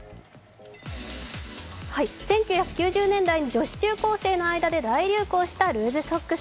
１９９０年代、女子中学生の間で大流行したルーズソックス。